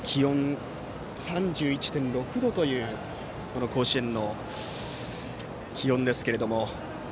３１．６度という甲子園の気温ですけど。